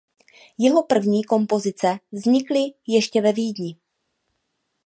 Jeho první kompozice vznikly ještě ve Vídni.